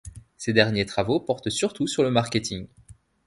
Ses derniers travaux portent surtout sur le marketing.